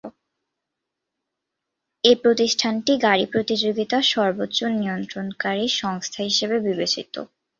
এ প্রতিষ্ঠানটি গাড়ী প্রতিযোগিতার সর্বোচ্চ নিয়ন্ত্রণকারী সংস্থা হিসেবে বিবেচিত।